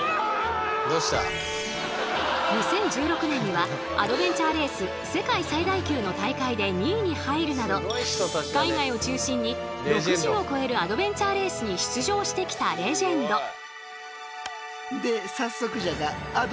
２０１６年にはアドベンチャーレース世界最大級の大会で２位に入るなど海外を中心に６０を超えるアドベンチャーレースに出場してきたレジェンド。